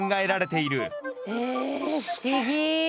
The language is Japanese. え不思議。